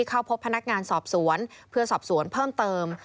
เข้าพบพนักงานสอบสวนเพื่อสอบสวนเพิ่มเติม